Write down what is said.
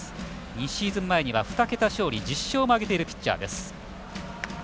２シーズン前には２桁勝利１０勝も挙げている投手です。